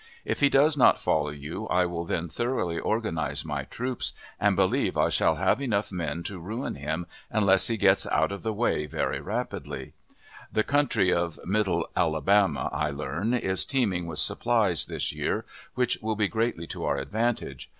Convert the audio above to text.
If he does not follow you, I will then thoroughly organize my troops, and believe I shall have men enough to ruin him unless he gets out of the way very rapidly. The country of Middle Alabama, I learn, is teeming with supplies this year, which will be greatly to our advantage.